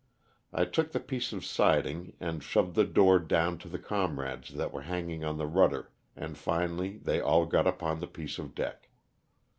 I took the piece of siding and shoved the door down to the comrades that were hang ing on to the rudder, and finally they all got upon the piece of deck.